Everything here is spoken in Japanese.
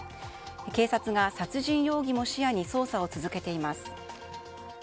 警察が殺人容疑も視野に捜査を続けています。